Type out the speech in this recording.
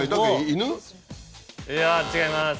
いや違います。